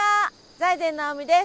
財前直見です。